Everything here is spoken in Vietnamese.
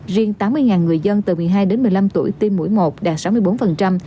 riêng tám mươi người dân từ một mươi hai đến một mươi năm tuổi tiêm mũi một đạt sáu mươi bốn